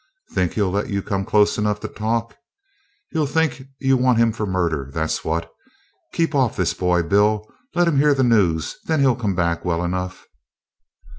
"Think he'll let you come close enough to talk? He'll think you want him for murder, that's what. Keep off of this boy, Bill. Let him hear the news; then he'll come back well enough."